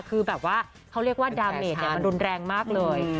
คือแบบว่าเขาเรียกว่าดาเมดมันรุนแรงมากเลย